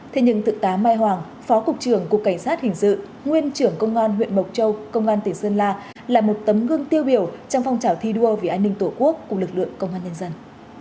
thế nhưng thượng tá mai hoàng phó cục trưởng cục cảnh sát hình sự nguyên trưởng công an huyện mộc châu công an tỉnh sơn la là một tấm gương tiêu biểu trong phong trào thi đua vì an ninh tổ quốc của lực lượng công an nhân dân